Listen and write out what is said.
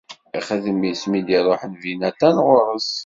Ixedm-it mi d-iruḥ nnbi Natan ɣur-s.